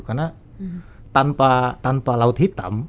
karena tanpa laut hitam